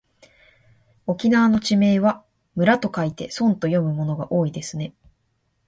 沖縄の地名は村と書いてそんと読むものが多いですね。